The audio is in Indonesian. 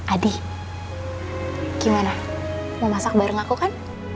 adi gimana mau masak bareng aku kan